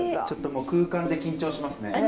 ちょっともう空間で緊張しますね。